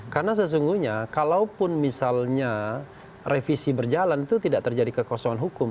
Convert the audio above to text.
karena sesungguhnya kalaupun misalnya revisi berjalan itu tidak terjadi kekosongan hukum